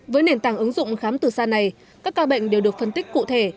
với nền tảng ứng dụng khám từ xa này các ca bệnh đều được phân tích cụ thể